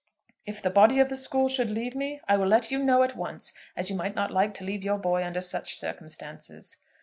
If the body of the school should leave me I will let you know at once as you might not like to leave your boy under such circumstances.